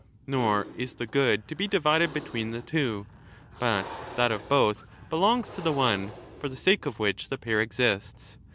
"^ Nor is the good to be divided between the two, but that of both belongs to the one for the sake of which the pair exists.